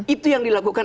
itu yang dilakukan